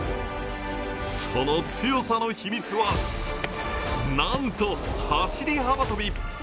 その強さの秘密は、なんと、走り幅跳び。